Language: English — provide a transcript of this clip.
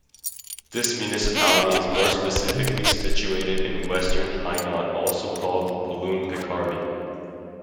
This municipality is more specifically situated in Western Hainaut, also called Walloon Picardy.